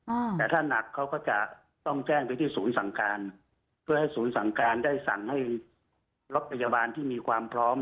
อ่าแต่ถ้าหนักเขาก็จะต้องแจ้งไปที่ศูนย์สั่งการเพื่อให้ศูนย์สั่งการได้สั่งให้รถพยาบาลที่มีความพร้อม